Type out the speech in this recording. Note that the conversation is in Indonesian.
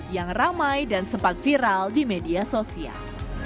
yang ramai dan sempat viral di media sosial